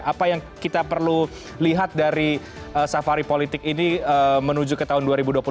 apa yang kita perlu lihat dari safari politik ini menuju ke tahun dua ribu dua puluh empat